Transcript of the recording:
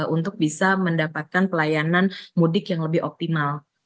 untuk bisa mendapatkan pelayanan mudik yang lebih optimal